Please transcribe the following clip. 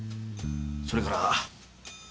それから。